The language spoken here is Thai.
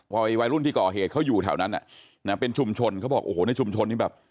วัยรุ่นที่ก่อเหตุเขาอยู่แถวนั้นอ่ะนะเป็นชุมชนเขาบอกโอ้โหในชุมชนนี่แบบ